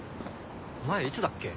前いつだっけ？